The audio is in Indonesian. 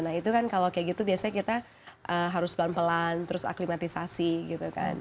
nah itu kan kalau kayak gitu biasanya kita harus pelan pelan terus aklimatisasi gitu kan